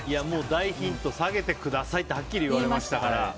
大ヒント、下げてくださいってはっきり言われましたから。